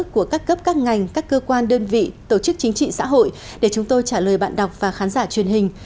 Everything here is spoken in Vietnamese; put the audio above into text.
của các cấp các ngành các cơ quan đơn vị tổ chức chính trị xã hội để chúng tôi trả lời bạn đọc và khán giả truyền hình